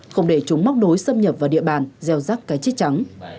không để chúng móc đối xâm nhập vào địa bàn gieo rắc cái chiếc trắng